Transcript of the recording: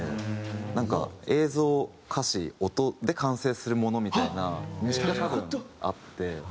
なんか映像歌詞音で完成するものみたいな多分あって。